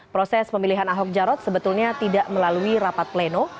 proses pemilihan ahok jarot sebetulnya tidak melalui rapat pleno